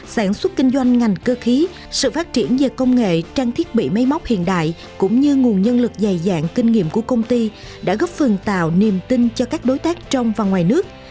sản xuất kinh doanh ngành cơ khí sự phát triển về công nghệ trang thiết bị máy móc hiện đại cũng như nguồn nhân lực dày dạng kinh nghiệm của công ty đã góp phần tạo niềm tin cho các đối tác trong và ngoài nước